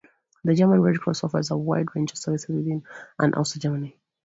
The German Red Cross offers a wide range of services within and outside Germany.